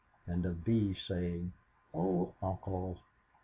and of Bee saying, "Oh, uncle!"